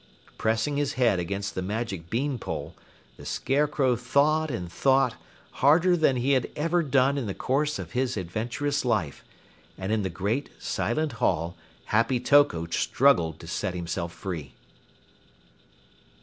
Pressing his head against the magic beanpole, the Scarecrow thought and thought, harder than he had ever done in the course of his adventurous life, and in the great, silent hall Happy Toko struggled to set himself free.